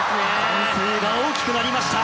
歓声が大きくなりました。